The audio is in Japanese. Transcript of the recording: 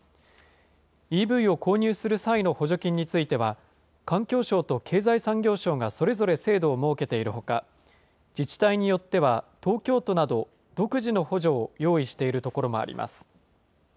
ＥＶを購入する際の補助金については、環境省と経済産業省がそれぞれ制度を設けているほか、自治体によっては東京都など、独自の補助を用意している所もあります。